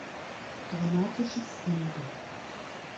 Dramatisches Ende.